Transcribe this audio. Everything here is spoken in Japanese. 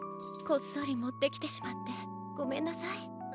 こっそりもってきてしまってごめんなさい。